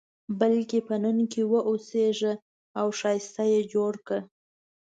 بلکې په نن کې واوسېږه او ښایسته یې جوړ کړه.